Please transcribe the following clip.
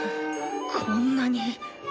こんなに。